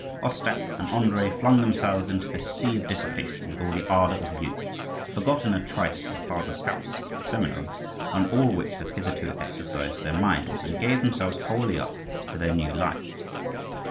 Ostap and Andrii flung themselves into this sea of dissipation with all the ardour of youth, forgot in a trice their father's house, the seminary, and all which had hitherto exercised their minds, and gave themselves wholly up to their new life.